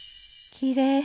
「きれい」。